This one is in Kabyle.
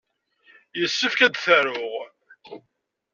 Yessefk ad t-aruɣ.